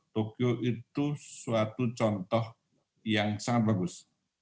tokyo itu suatu contoh yang sangat bagus